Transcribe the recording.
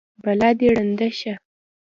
بلا دې ړنده شه!